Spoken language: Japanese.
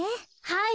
はい。